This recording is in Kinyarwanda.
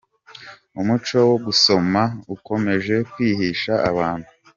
Umuco wo gusoma ukomeje kwihisha abantu.